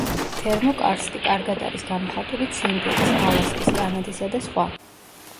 თერმოკარსტი კარგად არის გამოხატული ციმბირის, ალასკის, კანადისა და სხვა.